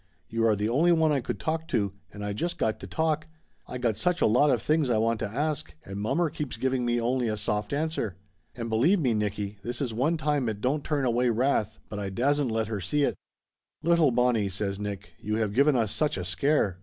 You are the only one I could talk to, and I just got to talk I got such a lot of things I want to ask, and mommer keeps giving me only a soft answer. And believe me, Nicky, this is one time it don't turn away wrath but I dasn't let her see it." "Little Bonnie!" says Nick. "You have given us such a scare